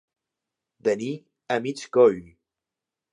Tenir a mig coll.